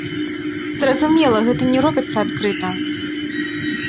Зразумела, гэта не робіцца адкрыта.